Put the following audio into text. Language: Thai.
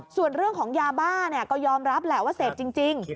ส่วนเรื่องของยาบ้าก็ยอมรับแหละว่าเสพจริง